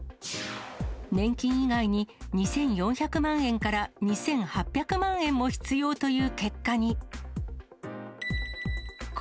年金以外に２４００万円から２８００万円も必要という結果に。